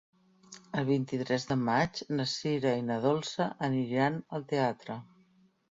El vint-i-tres de maig na Sira i na Dolça aniran al teatre.